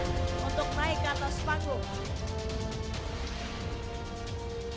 untuk naik ke atas panggung